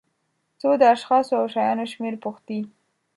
څو د اشخاصو او شیانو شمېر پوښتي.